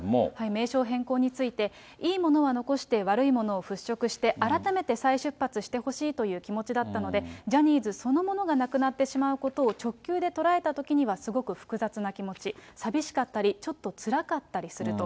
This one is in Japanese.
名称変更について、いいものは残して、悪いものを払拭して改めて再出発してほしいという気持ちだったので、ジャニーズそのものがなくなってしまうことを直球で捉えたときにはすごく複雑な気持ち、寂しかったり、ちょっとつらかったりすると。